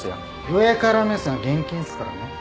上から目線は厳禁っすからね。